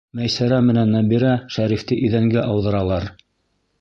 Мәйсәрә менән Нәбирә Шәрифте иҙәнгә ауҙаралар.